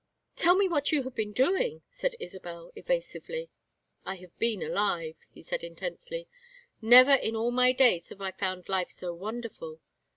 "Tell me what you have been doing," said Isabel evasively. "I have been alive," he said, intensely. "Never in all my days have I found life so wonderful.